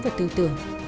và tư tưởng